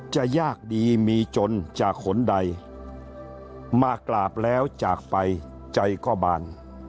จะยากดีมีจนจากหนใดมากราบแล้วจากไปใจก็บาน